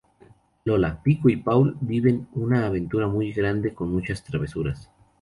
LoLa, Pico y Paul viven una aventura muy grande con muchas travesuras.